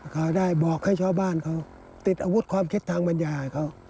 เขาได้บอกให้ชาวบ้านเขาติดอาวุธความคิดทางบรรยาให้เขา